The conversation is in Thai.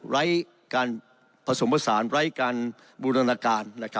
ไร้การผสมผสานไร้การบูรณาการ